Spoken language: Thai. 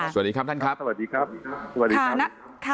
สวัสดีครับท่านครับสวัสดีครับสวัสดีครับ